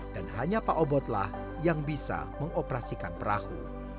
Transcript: dan hanya pak oboklah yang bisa mengoperasikan perahu